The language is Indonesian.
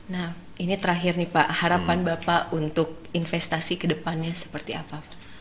nah ini terakhir nih pak harapan bapak untuk investasi kedepannya seperti apa